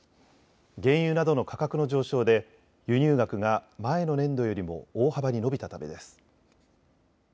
原油などの価格の上昇で輸入額が前の年度よりも大幅に伸びたためです。